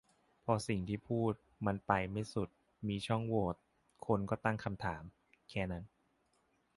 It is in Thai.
พอสิ่งที่พูดมันไปไม่สุด มีช่องโหว่ คนก็ตั้งคำถาม แค่นั้น